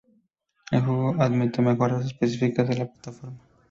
El juego admite mejoras específicas de la plataforma.